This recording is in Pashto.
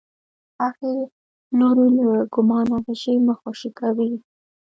هغې لورې له کمانه غشی مه خوشی کوئ.